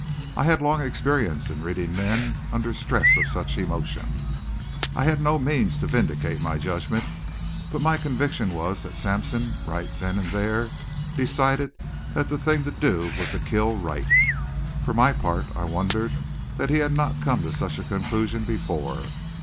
I had long experience in reading men under stress of such emotion. I had no means to vindicate my judgment, but my conviction was that Sampson right then and there decided that the thing to do was to kill Wright. For my part, I wondered that he had not come to such a conclusion before.